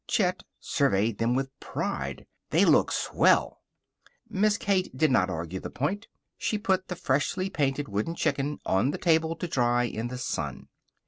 Chet surveyed them with pride. "They look swell." Miss Kate did not argue the point. She put the freshly painted wooden chicken on the table to dry in the sun.